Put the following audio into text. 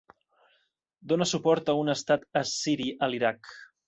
Dóna suport a un estat assiri a l'Iraq.